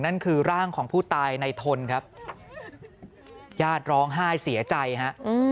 นั่นคือร่างของผู้ตายในทนครับญาติร้องไห้เสียใจฮะ